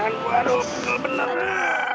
bapak kenangan gue